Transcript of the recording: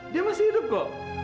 dia masih hidup kok